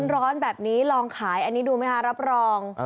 ร้อนแบบนี้ลองขายอันนี้ดูไหมคะรับรอง